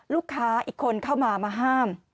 ลูกค้าอีกคนเข้ามามาห้าม